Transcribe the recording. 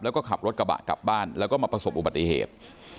แล้วก็ขับรถกระบะกลับบ้านแล้วก็มาประสบอุบัติเหตุ